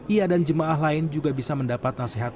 ia dan jemaah lain juga bisa mendapat nasihat